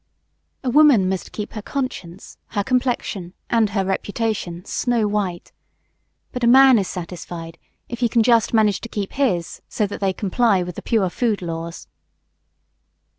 A woman must keep her conscience, her complexion and her reputation snow white. But a man is satisfied if he can just manage to keep his so that they comply with the pure food laws.